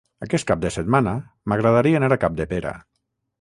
Aquest cap de setmana m'agradaria anar a Capdepera.